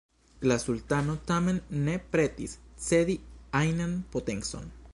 La Sultano, tamen, ne pretis cedi ajnan potencon.